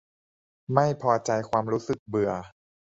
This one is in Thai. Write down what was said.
ไม่พอใจความรู้สึกเบื่อ